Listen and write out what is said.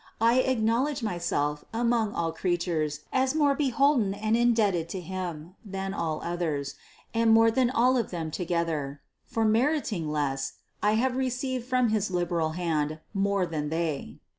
I acknowledge myself among all creatures as more beholden and indebted to Him than all others, and more than all of them together; for, meriting less, I have received from his liberal hand more than they.